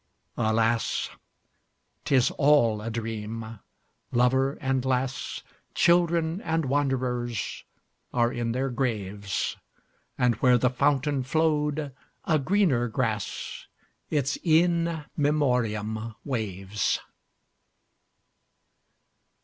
Alas! 't is all a dream. Lover and lass, Children and wanderers, are in their graves; And where the fountain flow'd a greener grass—Its In Memoriam—waves.